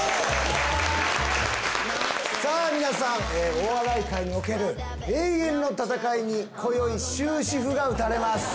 さあ皆さんお笑い界における永遠の戦いに今宵終止符が打たれます。